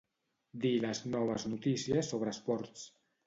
Dir les noves notícies sobre esports.